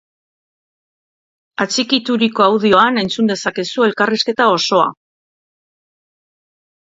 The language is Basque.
Atxikituriko audioan entzun dezakezu elkarrizketa osoa!